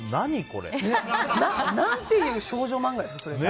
何ていう少女漫画ですか、それ。